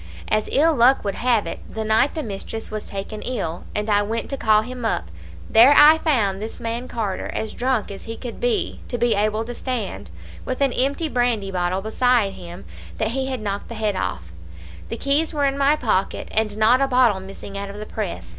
As ill luck would have it, the night the mistress was taken ill, and I went to call him up, there I found this man Carter as drunk as he could be, to be able to stand, with an empty brandy bottle beside him that he had knocked the head off. The keys were in my pocket, and not a bottle missing out of the press.